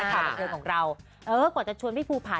หน้าข่าวเหลือเกินของเราเอิ่มกว่าจะชวนพี่ภูภา